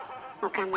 岡村。